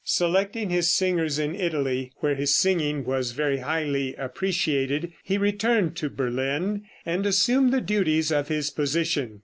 Selecting his singers in Italy, where his singing was very highly appreciated, he returned to Berlin and assumed the duties of his position.